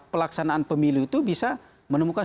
pelaksanaan pemilu itu bisa menemukan